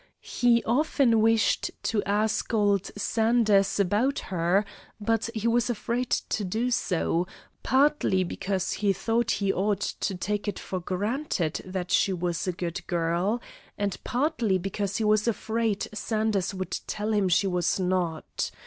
He often wished to ask old Sanders about her, but he was afraid to do so, partly because he thought he ought to take it for granted that she was a good girl, and partly because he was afraid Sanders would tell him she was not.